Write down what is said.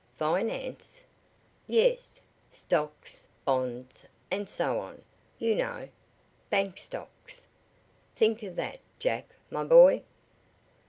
"Finance?" "Yes. Stocks bonds and so on, you know. Bank stocks. Think of that, Jack, my boy!"